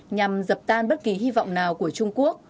nhằm dập tan bất kỳ hy vọng nào của trung quốc